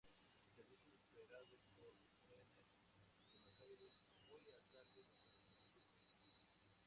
Servicios operados por Trenes de Buenos Aires, hoy a cargo de Ferrocarriles Argentinos.